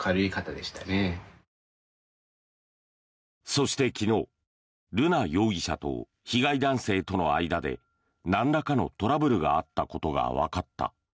そして、昨日瑠奈容疑者と被害男性との間でなんらかのトラブルがあったことがわかった。